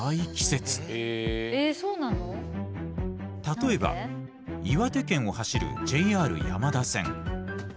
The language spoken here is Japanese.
例えば岩手県を走るＪＲ山田線。